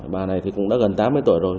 bà này cũng đã gần tám mươi tuổi rồi